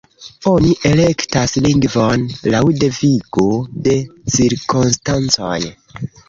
Oni elektas lingvon laŭ devigo de cirkonstancoj.